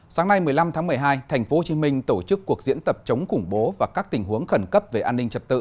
sáng nay một mươi năm tháng một mươi hai tp hcm tổ chức cuộc diễn tập chống khủng bố và các tình huống khẩn cấp về an ninh trật tự